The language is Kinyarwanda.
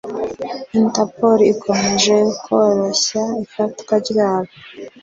Interpol ikomeje koroshya ifatwa ryabo